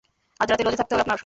আজ রাতে লজে থাকতে হবে আপনার।